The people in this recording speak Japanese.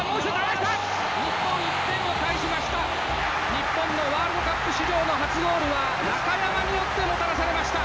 日本のワールドカップ史上の初ゴールは中山によってもたらされました。